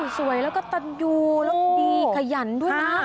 สวยแล้วก็ตันยูแล้วดีขยันด้วยนะ